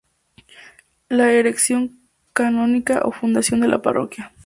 La erección canónica o fundación de la Parroquia.